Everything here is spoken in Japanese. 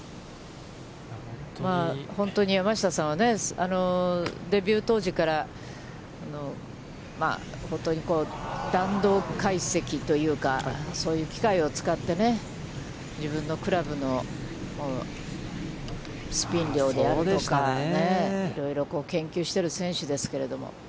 本当に山下さんは、デビュー当時から、本当にこう、弾道解析というか、そういう機械を使ってね、自分のクラブのスピン量であるとか、いろいろ研究してる選手ですけれども。